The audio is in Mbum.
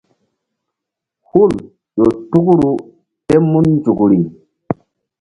Hul ƴo tukru tem mun nzukri.